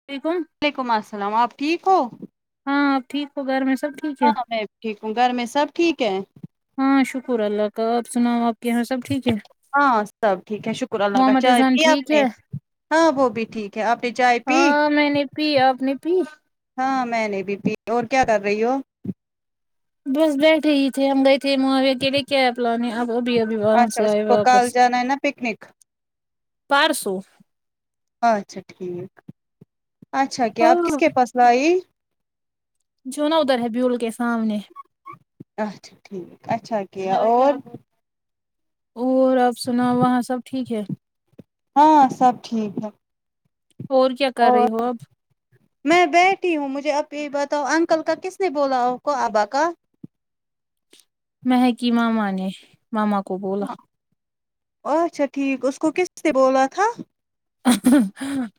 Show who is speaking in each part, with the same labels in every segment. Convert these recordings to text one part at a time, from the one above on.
Speaker 1: [unintelligible]
Speaker 2: وعلیکم السلام آپ ٹھیک ہو
Speaker 1: ہاں آپ ٹھیک ہو گھر میں سب ٹھیک ہے
Speaker 2: ہاں میں بھی ٹھیک ہوں گھر میں سب ٹھیک ہے
Speaker 1: ہاں شکر اللہ کا آپ سناؤ آپ کے یہاں سب ٹھیک ہے
Speaker 2: ہاں سب ٹھیک ہے شکر اللہ کا
Speaker 1: محمد
Speaker 2: چائے
Speaker 1: اذان
Speaker 2: پی آپ
Speaker 1: ٹھیک
Speaker 2: نے
Speaker 1: ہے
Speaker 2: ہاں وہ بھی ٹھیک ہے آپ نے چائے پی
Speaker 1: ہاں میں نے پی آپ نے پی
Speaker 2: ہاں میں نہ بھی پی اور کیا کر رہی ہو
Speaker 1: بس بیٹھے ہی تھے ہم گئے تھے معاویہ کے لیے کیاپ لانے وہ بھی ابھی وہاں
Speaker 2: اچھا
Speaker 1: سے
Speaker 2: اس
Speaker 1: آئے
Speaker 2: کو کل
Speaker 1: واپس
Speaker 2: جانا ہے نا پکنک
Speaker 1: پارسو
Speaker 2: ہاں اچھا ٹھیک اچھا کیا آپ کس
Speaker 1: ہاں
Speaker 2: کے پاس لائی
Speaker 1: جو نا ادھر ہبیول کے سامنے
Speaker 2: اچھا ٹھیک اچھاکیا اور
Speaker 1: اور آپ سناؤ وہاں سب ٹھیک ہے
Speaker 2: ہاں سب ٹھیک ہے
Speaker 1: اور کیا کر رہی
Speaker 2: اور
Speaker 1: ہو اب
Speaker 2: میں بیٹھی ہوں مجھے اب یہ بتاؤ انکل کا کس نے بولا ہو کو ابا کا
Speaker 1: مہک کی ماما نے ماما کو بولا
Speaker 2: اچھا ٹھیک ا اس کو کس سے بولا تھا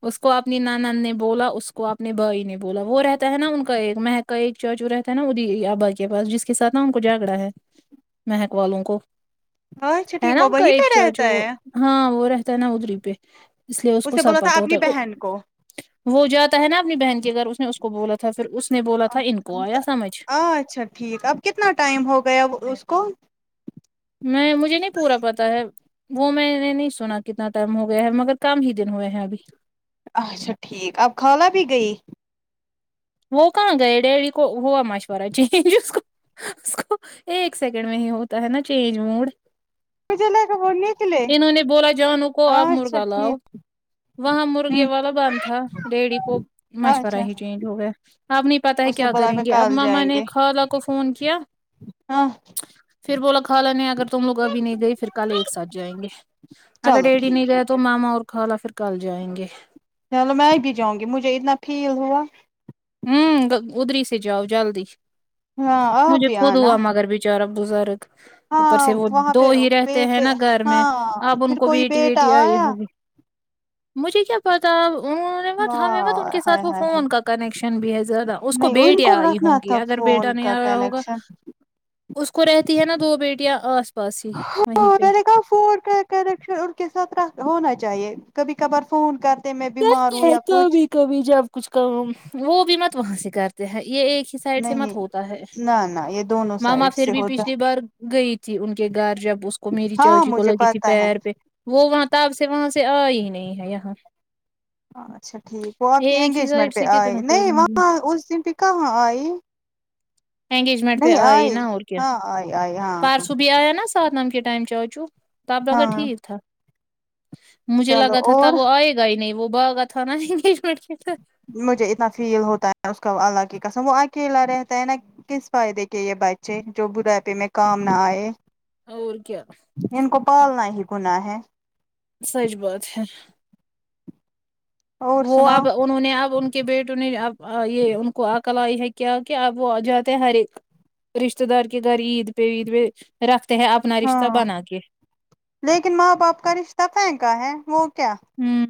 Speaker 1: اس کو اپنی نانان نے بولا اس کو اپنے بھائی نے بولا وہ رہتا ہے نا ان کا ایک مہت کا ایک چاچو رہتا ہے نا ادی آبا کے پاس جس کے ساتھ نا ان کو جھگڑا ہے مہک والوں کو
Speaker 2: اچھا
Speaker 1: ہے
Speaker 2: ٹھیک
Speaker 1: نا
Speaker 2: وہ
Speaker 1: ان کا
Speaker 2: وہیں
Speaker 1: ایک
Speaker 2: پہ رہتا
Speaker 1: چاچو
Speaker 2: ہے
Speaker 1: ہاں وہ رہتا ہے نا ادری پہ اس لیے اس کو
Speaker 2: نے بولا تھا
Speaker 1: سپاتا ہوتا
Speaker 2: اپنی بہن
Speaker 1: ہے
Speaker 2: کو
Speaker 1: وہ جاتا ہے نا اپنی بہن کے گھر اس نے اس کو بولا تھا پھر اس نے بولا تھا ان کو آیا سمجھ
Speaker 2: اچھا ٹھیک اب کتنا ٹائم ہو گیا اس کو
Speaker 1: میں مجھے نہیں پورا پتا ہے وہ میں نے نہیں سنا کتنا ٹائم ہو گیا ہے مگر کم ہی دن ہوئے ہیں ابھی
Speaker 2: اچھا ٹھیک اب خالہ بھی گئی
Speaker 1: وہ کہاں گئے ڈیڈی کو ہوا ماشورہ چ کو اس کو ایک سیکنڈ میں ہی ہوتا ہے نا چینج موڈ
Speaker 2: مجھے لگا وہ نکلے
Speaker 1: انہوں نے بولا جانوں کو آب
Speaker 2: اچھا
Speaker 1: مرغا لاؤ
Speaker 2: ٹھیک
Speaker 1: وہاں
Speaker 2: ہوں
Speaker 1: مرغیا والا بندھ تھا ڈیڈی کو مشورہ
Speaker 2: اچھا
Speaker 1: ہی چینج ہو گیا آپ نے پتہ ہے
Speaker 2: اس
Speaker 1: کیا
Speaker 2: بولا
Speaker 1: کریں
Speaker 2: میں
Speaker 1: گے اب
Speaker 2: کل
Speaker 1: ماما
Speaker 2: جائیں
Speaker 1: نے
Speaker 2: گے
Speaker 1: خالہ کو فون کیا
Speaker 2: ہاں
Speaker 1: پھر بولا خالہ نے اگر تم لوگ ابھی نہیں گئے پھر کل ایک ساتھ جائیں گے اگر
Speaker 2: چلو
Speaker 1: ڈیڈی نہیں
Speaker 2: ٹھیک ہے
Speaker 1: گیا تو
Speaker 2: پھر
Speaker 1: ماما اور خالہ پھر کل جائیں گے
Speaker 2: چلو میں بھی جاؤں گی مجھے اتنا فیل ہوا
Speaker 1: ہوں ادھری سے جاؤ جلدی
Speaker 2: ہاں آپ
Speaker 1: مجھے
Speaker 2: بھی
Speaker 1: خود
Speaker 2: آنا
Speaker 1: ہوا مگر بھی چارا گزار اوپر
Speaker 2: ہاں
Speaker 1: سے وہ
Speaker 2: وہاں
Speaker 1: دو
Speaker 2: پہ
Speaker 1: ہی رہتے ہیں
Speaker 2: بیٹے
Speaker 1: نا گھر میں
Speaker 2: ہاں
Speaker 1: اب ان
Speaker 2: پھر
Speaker 1: کو
Speaker 2: کوئی
Speaker 1: بیٹی
Speaker 2: بیٹا
Speaker 1: بیٹی آئی
Speaker 2: آیا
Speaker 1: ہوگی مجھے کیا پتا انہوں نے مت ہمیں مت ان
Speaker 2: واہ
Speaker 1: کے
Speaker 2: ہائے
Speaker 1: ساتھ وہ
Speaker 2: ہائے
Speaker 1: فون کا کنیکشن بھی ہے زیادہ اس کو
Speaker 2: نہیں ان
Speaker 1: بیٹی آئی
Speaker 2: رکھنا
Speaker 1: ہوں گی
Speaker 2: تھا
Speaker 1: اگر بیٹا
Speaker 2: فون
Speaker 1: نہیں
Speaker 2: کا
Speaker 1: آیا ہوگا
Speaker 2: کنیکشن
Speaker 1: اس کو رہتی ہے نا دو بیٹیاں آس پاس ہی وہیں پہ
Speaker 2: کرشن ان کے ساتھ ہونا چاہیے کبھی کبھار فون کرتے میں بیمار
Speaker 1: کرتے
Speaker 2: ہوں
Speaker 1: ہیں
Speaker 2: یا کچھ
Speaker 1: کبھی کبھی جب کچھ کام وہ بھی مت وہاں سے کرتے ہیں یہ ایک سائڈ سے
Speaker 2: نہیں
Speaker 1: مت ہوتا ہے
Speaker 2: نہ نہ یہ دونوں
Speaker 1: ماما
Speaker 2: سائڈ
Speaker 1: پھر
Speaker 2: سے
Speaker 1: بھی
Speaker 2: ہوتا
Speaker 1: پچھلی بار گئی تھی ان کے گھر جب اس کو میری
Speaker 2: ہاں
Speaker 1: چاچی کو
Speaker 2: مجھے
Speaker 1: لگی تھی
Speaker 2: پتا ہے
Speaker 1: پیر پہ وہ وہاں تب سے وہاں سے آ ہی نہیں ہے یہاں
Speaker 2: اچھا ٹھیک وہ آپ کے
Speaker 1: ایک ہی سائڈ
Speaker 2: انگیجمنٹ پہ
Speaker 1: سے
Speaker 2: آئے
Speaker 1: کتنا کریں
Speaker 2: نہیں
Speaker 1: گے
Speaker 2: وہاں اس دن پہ کہاں آئی
Speaker 1: انگیجمنٹ پہ
Speaker 2: نہیں
Speaker 1: آئی نا اور کیا
Speaker 2: ہاں آئی آئی ہاں
Speaker 1: پارسو بھی آیا نا سات نم کے ٹائم چاچو تو پاپا کا
Speaker 2: ہاں ہاں
Speaker 1: ٹھیک تھا مجھے
Speaker 2: چلو
Speaker 1: لگا تھا
Speaker 2: اور
Speaker 1: تب وہ آئے گا ہی نہیں وہ بہگا تھا ناٹ
Speaker 2: مجھے اتنا فیل ہوتا ہے اس کا اللہ کی قسم وہ اکیلا رہتا ہے نا کس فائدے کے یہ بچے جو بوڑھاپے میں کام نہ آئے
Speaker 1: اور کیا
Speaker 2: ان کو پالنا ہی گناہ ہے
Speaker 1: سچ بات ہے
Speaker 2: اور
Speaker 1: وہ
Speaker 2: سناؤ
Speaker 1: اب انہوں نے اب ان کہ بیٹوں نے اب یہ ان کو عقل آئی ہے کیا کہ اب وہ جاتے ہر ایک رشتتے دار کے گھر عید پہ عید پہ رکھتے ہیں اپنا رشتہ
Speaker 2: ہاں
Speaker 1: بنا کے
Speaker 2: لیکن ماں باپ کا رشتہ پھینکا ہے وہ کیا
Speaker 1: ہوں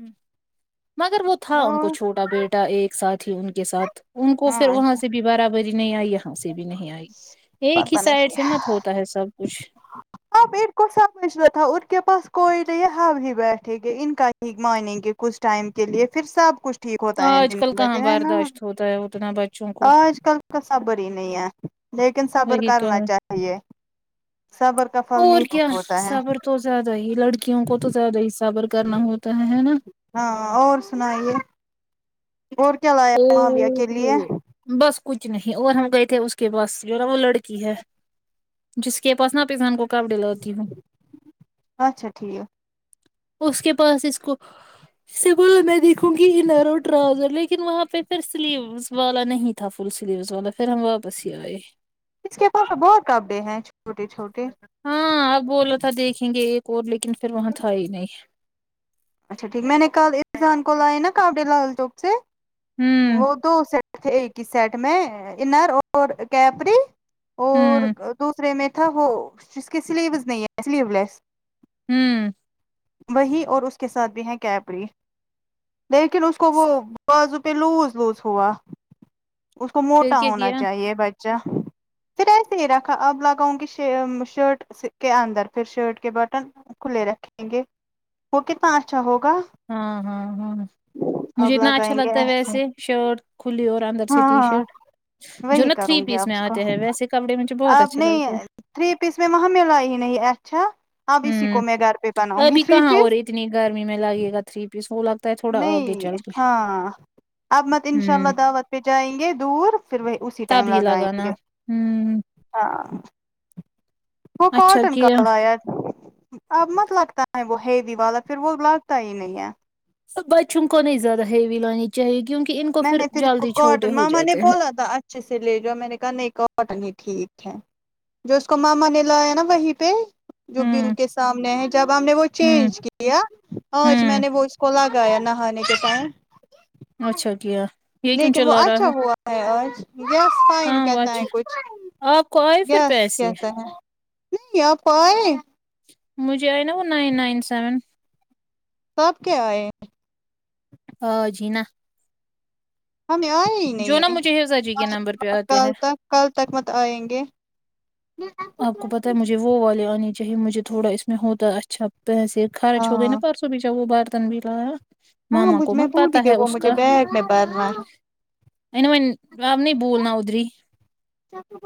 Speaker 1: مگر وہ تھا ان کو چھوٹا بیٹا ایک ساتھ ہی ان کے ساتھ ان کو پھر
Speaker 2: ہاں
Speaker 1: وہاں سے بھی برابری نہیں آئی یہاں سے بھی نہیں آئی ایک ہی
Speaker 2: پتا
Speaker 1: سائڈ
Speaker 2: نہیں
Speaker 1: سے مت ہو ہوتا ہے سب کچھ
Speaker 2: [unintelligible] انکے پاس کوئ نہیں ہے ہم ہی بیٹھے گے ان کا ہی مانیں گے کچھ ٹائم کے لیے پھر سب کچھ ٹھیک ہوتا ہے
Speaker 1: آج
Speaker 2: دن
Speaker 1: کل
Speaker 2: بہ
Speaker 1: کہاں
Speaker 2: دن ہے نا
Speaker 1: برداشت ہوتا ہے اتنا بچوں کو
Speaker 2: آج کل تو صبر ہی نہیں ہے لیکن صبر
Speaker 1: وہی تو
Speaker 2: کرنا
Speaker 1: ہے
Speaker 2: چاہیے صبر کا پھل
Speaker 1: اور
Speaker 2: میٹھا
Speaker 1: کیا
Speaker 2: ہوتا ہے
Speaker 1: صبر تو زیادہ ہی لڑکیوں کو تو زیادہ ہی صبر کرنا ہوتا ہے ہے نا
Speaker 2: ہاں اور سنائیے اور کیا لایا معاویہ کے لیے
Speaker 1: او بس کچھ نہیں اور ہم گئے تھے اس کے پاس جو رہ نا وہ لڑکی ہے جس کے پاس نا ارضان کو کپڑے لاتی ہوں
Speaker 2: اچھا ٹھیک
Speaker 1: اس کے پاس اس کو اس سے بول میں دیکھوں گی [unintelligible] پھر وہاں پہ پھر سلیوز والا نہیں تھا فل سلیوز والا پھر ہم واپس ہی آئے
Speaker 2: اس کے پاس بہت کپڑے ہیں چھوٹے چھوٹے
Speaker 1: ہاں اب بولا تھا دیکھیں گے ایک اور لیکن پھر وہاں تھا ہی نہیں
Speaker 2: اچھا ٹھیک میں نے کل ارضان کو لائے نا کاپڑے لال چوک سے
Speaker 1: ہوں
Speaker 2: وہ دو سیٹ ایک ہی سیٹ میں انر اور کیپری اور
Speaker 1: ہوں
Speaker 2: دوسرے میں تھا وہ جس کی سلیوز نہیں ہے سلیو لیس
Speaker 1: ہوں
Speaker 2: وہی اور اس کے ساتھ بھی ہیں کیپری لیکن اس کو وہ بازو پھر لوز ووز ہوا اس کو
Speaker 1: پھر
Speaker 2: موٹا
Speaker 1: کیا
Speaker 2: ہونا
Speaker 1: کیا
Speaker 2: چاہیے بچہ پھر ایسے ہی رکھا اب لگاؤں گی شا شرٹ کے اندر پھر شرٹ کے بٹن کھلے رکھیں گے وہ کتنا اچھا ہوگا
Speaker 1: ہاں ہاں ہاں مجھے
Speaker 2: اب
Speaker 1: اتنا اچھا
Speaker 2: لگائیں گے
Speaker 1: لگتا ہے
Speaker 2: ایسے
Speaker 1: ویسے شرٹ کھلی اور اندر سے ٹی
Speaker 2: ہاں
Speaker 1: شرٹ جو
Speaker 2: وہی
Speaker 1: نا
Speaker 2: کروں
Speaker 1: تھری
Speaker 2: گی
Speaker 1: پیس
Speaker 2: اب
Speaker 1: میں
Speaker 2: اس کا
Speaker 1: آتے ہیں ویسے کپڑے مجھے بہت
Speaker 2: آپ
Speaker 1: اچھے لگتے ہیں
Speaker 2: نہیں تھری پیس میں وہاں ملا ہی نہیں ہے اچھا اب اسی کو
Speaker 1: ہوں
Speaker 2: میں گھر پے بناؤں گی
Speaker 1: ابھی
Speaker 2: تھری
Speaker 1: کہاں اور
Speaker 2: پیز
Speaker 1: اتنی گرمی میں لائے گا تھری پیز وہ ل
Speaker 2: نہیں ہاں اب مت انشاء اللہ
Speaker 1: ہوں
Speaker 2: دعوت پہ جائیں گے دور پھر وہ اسی ٹائم
Speaker 1: تبھی
Speaker 2: لگائیں
Speaker 1: لگانا
Speaker 2: گے
Speaker 1: ہوں
Speaker 2: ہاں وہ
Speaker 1: اچھا
Speaker 2: کاٹن کا
Speaker 1: کیا
Speaker 2: لایا اب مت لگتا ہے وہ ہیوی والا پھر وہ لگتا ہی نہیں ہے
Speaker 1: بچوں کو نہیں زیادہ ہیوی لانی چاہیے کیونکہ ان کو
Speaker 2: میں
Speaker 1: پھر
Speaker 2: نے اس کو
Speaker 1: جلدی چھوٹے
Speaker 2: کاٹن
Speaker 1: ہو
Speaker 2: ماما نے
Speaker 1: جاتے ہیں
Speaker 2: بولا تھا اچھے سے لے جاؤ میں نے کہا نہیں کاٹن ہی ٹھیک ہے جو اس کو ماما نے لایا نا وہیں پہ جو بل
Speaker 1: ہوں
Speaker 2: کے سامنے ہے جب ہم نے وہ
Speaker 1: ہوں
Speaker 2: چینج کیا آج میں
Speaker 1: ہوں
Speaker 2: نے وہ اس کو لگایا نہانے کے ٹائم
Speaker 1: اچھا کیا یہ کیوں
Speaker 2: لیکن وہ
Speaker 1: چلا رہا
Speaker 2: اچھا ہوا ہے آج یس فائن
Speaker 1: ہاں وہ
Speaker 2: کہتا ہے
Speaker 1: اچھا
Speaker 2: کچھ
Speaker 1: آپ کو آئے پھر
Speaker 2: یس
Speaker 1: پیسے
Speaker 2: کہتا ہے نہیں آپ آئے
Speaker 1: مجھے آئے نا وہ نائن نائن سیون
Speaker 2: سب کیا ہے
Speaker 1: اج ھی نہ
Speaker 2: ہمیں آئے ہی نہیں
Speaker 1: جو نا
Speaker 2: ہے
Speaker 1: مجھے حفظا جی کے نمبر پہ آتے ہیں
Speaker 2: کل تک کل تک مت آئیں گے
Speaker 1: آپ کو پتا ہے مجھے وہ والے آنے چاہیے مجھے تھوڑا اس میں ہوتا ہے اچھا پیسے خرچ ہو گئی نا
Speaker 2: ہاں
Speaker 1: پرسو بیچا وہ برتن بھی لایا
Speaker 2: ہاں
Speaker 1: ماما
Speaker 2: مجھ
Speaker 1: کو
Speaker 2: میں
Speaker 1: مت
Speaker 2: بھلی
Speaker 1: پتہ
Speaker 2: کہ
Speaker 1: ہے
Speaker 2: وہ
Speaker 1: اس
Speaker 2: مجھے
Speaker 1: کا
Speaker 2: بیگ میں برنا
Speaker 1: ان ون آپ نہیں بولنا اودری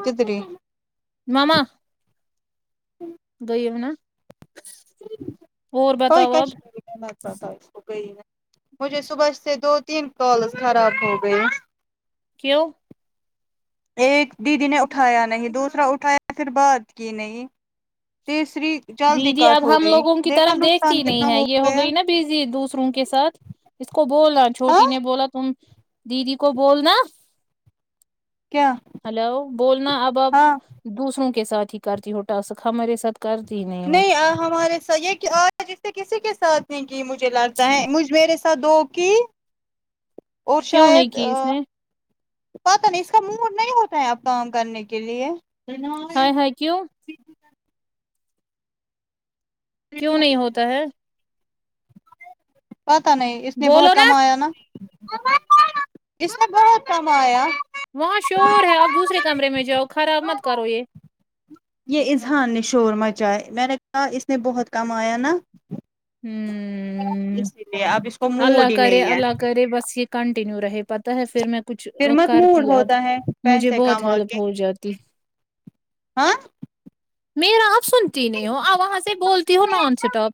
Speaker 2: کتری
Speaker 1: مما گی ہو نا اور
Speaker 2: ائی
Speaker 1: بتاؤ اب
Speaker 2: کشمیر پ [unintelligible] مجھے صبح سے دو تین کالز خراب ہو گئی
Speaker 1: کیو
Speaker 2: ایک دیدی نے اٹھایا نہیں دوسرا اٹھایا پھر بات کی نہیں تیسری جلدی
Speaker 1: دیدی
Speaker 2: کاٹ
Speaker 1: اب
Speaker 2: ہو
Speaker 1: ہم
Speaker 2: گئی
Speaker 1: لوگوں کی
Speaker 2: دیکھا
Speaker 1: طرف
Speaker 2: نقصان
Speaker 1: دیکھتی
Speaker 2: کتنا
Speaker 1: نہیں ہے یہ ہو
Speaker 2: گیا
Speaker 1: گئی نا بزی دوسروں کے ساتھ اس کو بولنا چھوٹی
Speaker 2: ہاں
Speaker 1: نے بولا تم دیدی کو بولنا
Speaker 2: کیا
Speaker 1: ہلو بولنا اب اب
Speaker 2: ہاں
Speaker 1: دوسروں کے ساتھ ہی کرتی ہو ٹاسک ہمارے ساتھ کر
Speaker 2: نہیں ہمارے سے یہ کہ آج اسے کسی کے ساتھ نہیں کی مجھے لگتا ہے مجھ میرے ساتھ دو کی اور
Speaker 1: کیوں نہیں
Speaker 2: شاید
Speaker 1: کی اس نے
Speaker 2: پتاہ نہیں اس کا موڈ نہیں ہوتا ہے آپ کام کرنے کے لیے
Speaker 1: ہائے ہاے کیو کیوں نہیں ہوتا ہے
Speaker 2: پتہ نہیں اس نے بہت کم آیا نا اس نے بہت کمایا
Speaker 1: وہاں شور ہے آپ دوسرے کمرے میں جاؤ خراب مت کرو یہ
Speaker 2: یہ اظہان نے شور مچائے میں نے کہا اس نے بہت کمایا نا
Speaker 1: ہوں ہمم
Speaker 2: اسی لیے اب اس کو
Speaker 1: اللہ
Speaker 2: موڈ ہی
Speaker 1: کرے
Speaker 2: نہیں ہے
Speaker 1: اللہ کرے بس یہ کنٹیینیو رہے پتا ہے پھر میں کچھ
Speaker 2: پھر مت موڈ
Speaker 1: کرتی اب
Speaker 2: ہوتا ہے
Speaker 1: مجھے
Speaker 2: پیسے
Speaker 1: بہت
Speaker 2: کما
Speaker 1: ہیلپ
Speaker 2: کے
Speaker 1: ہو جاتی
Speaker 2: ہاں
Speaker 1: میرا آپ سنتی نہیں ہو آ وہاں سے بولتی ہوں نان اسٹاپ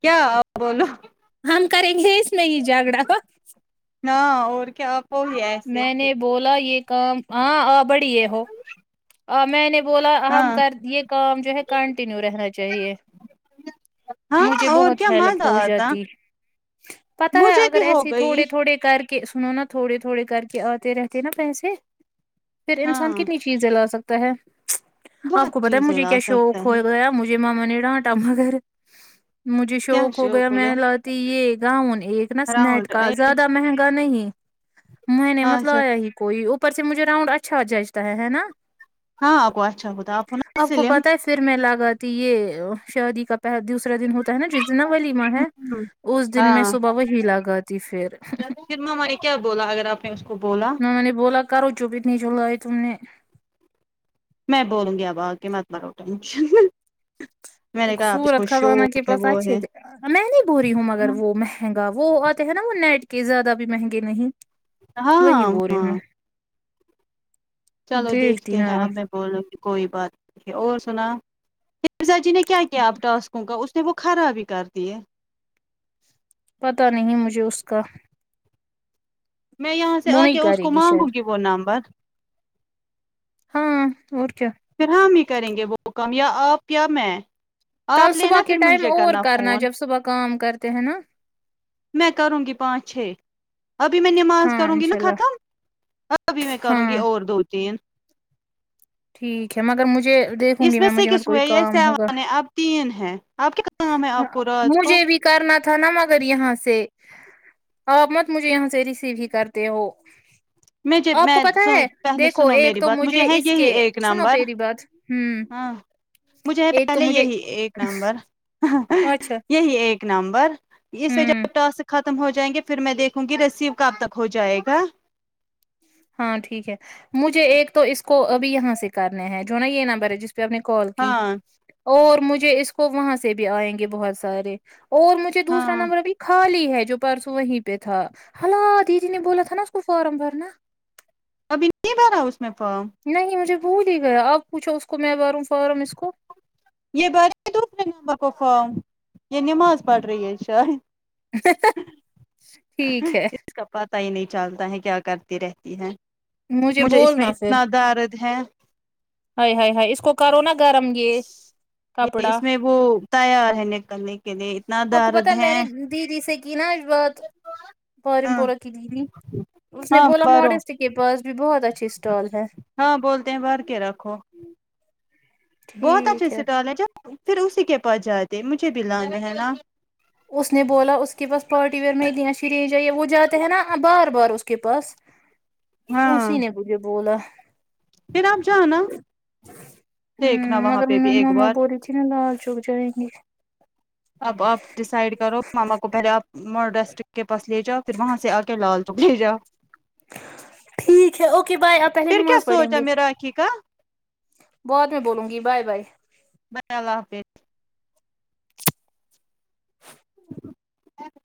Speaker 2: کیا بولو
Speaker 1: ہم کریں گے اس میں ہی جھگڑا ہو
Speaker 2: نہ اور کیا وہی ایسے
Speaker 1: میں نے بولا یہ کام ہاں آ بڑی یہ ہو آ میں نے بولا
Speaker 2: ہاں
Speaker 1: ہم کر یہ کام جو ہے کنٹینیو رہنا چاہیے
Speaker 2: ہاں
Speaker 1: مجھے
Speaker 2: اور
Speaker 1: بہت
Speaker 2: کیا
Speaker 1: ہیلپ
Speaker 2: مزہ
Speaker 1: ہو
Speaker 2: آتا
Speaker 1: جاتی پتا ہے
Speaker 2: مجھے
Speaker 1: اگر
Speaker 2: بھی ہو
Speaker 1: ایسے
Speaker 2: گئی
Speaker 1: تھوڑے تھوڑے کر کے کہ سنو نا تھوڑے تھوڑے کر کے آتے رہتے نا پیسے پھر انسان کے
Speaker 2: ہاں
Speaker 1: چیزیں لا سکتا ہے آپ
Speaker 2: بہت
Speaker 1: کو بتا
Speaker 2: چیزیں
Speaker 1: مجھے
Speaker 2: لا
Speaker 1: کیا
Speaker 2: سکتا
Speaker 1: شوق ہو
Speaker 2: ہے
Speaker 1: گیا مجھے یہ ماما نے ڈانٹا مگر مجھے شوق ہو گیا میں لاتی یہ گاؤن ایک نا سنیٹ
Speaker 2: راؤنڈ
Speaker 1: کا
Speaker 2: ایج۔
Speaker 1: زیادہ مہنگا نہیں میں نے مت
Speaker 2: اچھا
Speaker 1: لیا ہی کوئی اوپر سے مجھے راؤنڈ اچھا جچتا ہے نا
Speaker 2: ہاں آپ کو اچھا ہوتا آپ ہو نہ
Speaker 1: کو
Speaker 2: سلم
Speaker 1: پتہ ہے پھر میں لگا تی یہ شادی کا پہ دوسرا دن ہوتا ہے نا جس دن نہ ولیمہ ہے اس دن میں
Speaker 2: ہاں
Speaker 1: صبح وہی لگاتی پھر
Speaker 2: پھر مما نے کیا بولا اگر آپ نے اس کو بولا
Speaker 1: میں نے بولا کرو چپ اتنی جو لائی تم نے
Speaker 2: میں بولوں گی اب آ کے مٹ بڑھاؤ ٹنشن
Speaker 1: سورت خزانہ کے
Speaker 2: ہے
Speaker 1: پاس
Speaker 2: وہ
Speaker 1: اچھے
Speaker 2: ہے
Speaker 1: تھے میں نہیں بول رہی ہوں مگر
Speaker 2: ہاں
Speaker 1: وہ مہنگا وہ آتے ہیں نا وہ نیٹ کے زیادہ بھی مہنگے نہیں وہی بول ری ہوں میں
Speaker 2: ہاں چلو
Speaker 1: دیکھتی
Speaker 2: دیکھتے ہیں
Speaker 1: ہاں
Speaker 2: اب میں بولو کے کوئی بات نہیں اور سناؤ مرزا جی نے کیا کیا آپ ٹاسکوں کا وہ خراب ہی کرتی ہے
Speaker 1: پتا نہیں مجھے اس کا
Speaker 2: میں یہاں سے
Speaker 1: وہ
Speaker 2: آ کے
Speaker 1: نہیں
Speaker 2: اس
Speaker 1: کرے
Speaker 2: کو مانگوں
Speaker 1: شاید
Speaker 2: گی وہ نمبر
Speaker 1: ہاں اور کیا
Speaker 2: پھر ہم ہی کریں گے وہ کام یا آپ یا میں
Speaker 1: کل
Speaker 2: آپ
Speaker 1: صبح
Speaker 2: لینا
Speaker 1: کے
Speaker 2: پھر
Speaker 1: ٹائم
Speaker 2: مجھے
Speaker 1: اور کرنا
Speaker 2: فون
Speaker 1: جب صبح کام کرتے ہیں نا
Speaker 2: میں کروں گی پانچ چھ ابھی میں نماز
Speaker 1: ہاں
Speaker 2: کروں گی نا
Speaker 1: انشاء اللہ
Speaker 2: ختم ابھی میں کروں گی
Speaker 1: ہاں
Speaker 2: اور دو تین
Speaker 1: ٹھیک ہے مگر مجھے دیکھوں
Speaker 2: اس
Speaker 1: گی میں مجھے اور
Speaker 2: سکس
Speaker 1: کوئی
Speaker 2: ہوئے یا
Speaker 1: کام ہوگا
Speaker 2: سیون ہے اب تین ہے اب کیا کام ہے
Speaker 1: ہ
Speaker 2: آپ کو رات کو
Speaker 1: مجھے بھی کرنا تھا نا مگر یہاں سے آپ مت مجھے یہاں سے ریسیو ہی کرتے ہو
Speaker 2: میں جب
Speaker 1: آپ کو
Speaker 2: میں
Speaker 1: پتا ہے
Speaker 2: پہلے
Speaker 1: دیکھو
Speaker 2: سنو
Speaker 1: ایک
Speaker 2: میری
Speaker 1: تو
Speaker 2: بات
Speaker 1: مجھے
Speaker 2: ہے
Speaker 1: اس
Speaker 2: یہی
Speaker 1: کہ
Speaker 2: ایک
Speaker 1: سنو
Speaker 2: نمبر
Speaker 1: پیری بات ہوں
Speaker 2: ہاں مجھے ہے
Speaker 1: ایک تو
Speaker 2: پہلے
Speaker 1: مجھے
Speaker 2: یہی ایک نمبر
Speaker 1: اچھا
Speaker 2: یہی ایک نمبر اس
Speaker 1: ہوں
Speaker 2: پے ٹاسک خت ختم ہو جائیں گے پھر میں دیکھوں گی رسیو کب تک ہو جائے گا
Speaker 1: ہاں ٹھیک ہے مجھے ایک تو اس کو ابھی یہاں سے کرنے ہے جو نا یہ نمبر ہے جس کو آپ نے کال کی
Speaker 2: ہاں
Speaker 1: اور مجھے اس کو وہاں سے بھی آئیں گے بہت سارے اور مجھے دوسرا
Speaker 2: ہاں
Speaker 1: نمبر بھی خالی ہے جو پرسوں وہیں پہ تھا ہلا دیدی نے بولا تھا نا اس کو فارم بھرنا
Speaker 2: ابھی نہیں بھرا اس نے فارم
Speaker 1: نہیں مجھے بھول ہی گیا آپ پوچھو اس کو میں بھروں فارم اس کو
Speaker 2: یہ بھرے دوسرے نمبر کو فارم یہ نماز پڑ رہی ہے شاید
Speaker 1: ہے۔ ہے۔ ہے ٹھیک ہے
Speaker 2: پتا ہی نہیں چلتا ہے کیا کرتی رہتی ہے مجھے اس میں اتنا درد ہے
Speaker 1: ہاۓ ہائے ہائے اس کو کرو نا گرم یہ
Speaker 2: یہ
Speaker 1: کپڑا
Speaker 2: اس میں وہ تیار ہے نکلنے کے لیے اتنا
Speaker 1: آپ کو پتا
Speaker 2: درد ہے
Speaker 1: میں نے دیدی سے کی نا آج بات بارم
Speaker 2: ہاں
Speaker 1: پورہ کی دیدی اس نے
Speaker 2: ہاں
Speaker 1: بولا
Speaker 2: بارو
Speaker 1: موڈسٹی کے پاس بھی بہت اچھی اسٹال ہے
Speaker 2: ہاں بولتے ہیں بھر کے رکھو بہت اچھے
Speaker 1: ٹھیک ہے
Speaker 2: سے ڈالا جب پھر اسی کے پاس جاتے مجھے بھی لانا ہے نا
Speaker 1: اس نے بولا اس کے پاس پارٹی ویئر میں لیش رینج ائی ہے وہ جاتے ہیں نا بار بار اس کے پاس
Speaker 2: ہاں
Speaker 1: اسی نے مجھے بولا
Speaker 2: پھر آپ جانا دیکھنا وہاں پہ بھی ایک بار
Speaker 1: چیننا لال جھوک جائیں گے
Speaker 2: اب آپ ڈیسائڈ کرو ماما کو پہلے آپ مڈسٹک کے پاس لے جاؤ پھر وہاں سے آکے لال چوک لےجاؤ
Speaker 1: ٹھیک ہے اوکے بائے آپ پہلے
Speaker 2: پھر کیا
Speaker 1: نماز پڑھیں
Speaker 2: سوچا
Speaker 1: گے
Speaker 2: میں راکھی کا
Speaker 1: بعد میں بولوں گی بائے بائے
Speaker 2: بائے اللہ حافظ [unintelligible]